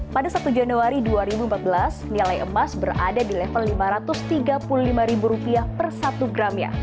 pada satu januari dua ribu empat belas nilai emas berada di level rp lima ratus tiga puluh lima per satu gramnya